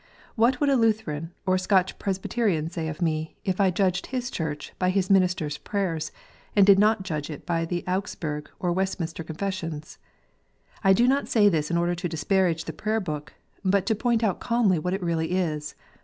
What would a Lutheran or Scotch Presby terian say of me, if I judged his Church by his minister s prayers, and did not judge it by the Augsburg or Westminster Confessions? I do not say this in order to disparage the Prayer book, but to point out calmly what it really is.